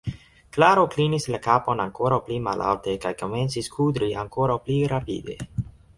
Klaro klinis la kapon ankoraŭ pli malalte kaj komencis kudri ankoraŭ pli rapide.